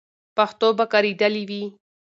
پښتو به کارېدلې وي.